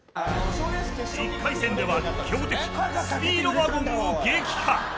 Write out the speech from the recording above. １回戦では強敵スピードワゴンを撃破。